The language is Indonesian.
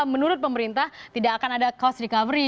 menurut pemerintah tidak akan ada cost recovery